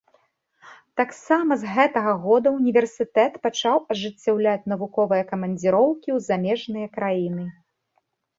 Таксама з гэтага года універсітэт пачаў ажыццяўляць навуковыя камандзіроўкі ў замежныя краіны.